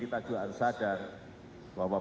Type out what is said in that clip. perubahan perubahan sekarang ini sudah masuk